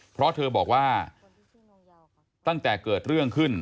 เพราะเธอบอกว่าตั้งแต่เกิดเรื่องขึ้น